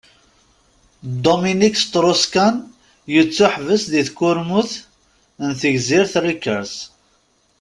Dominique Strauss-Kahn yettuḥebbes di tkurmut n tegzirt Rikers.